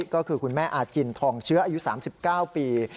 ก็คือคุณแม่อาจินทองเชื้ออายุ๓๙ปี